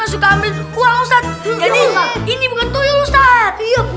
assalamualaikum permisi permisi teh panas teh panas buat ustadz ibu yoi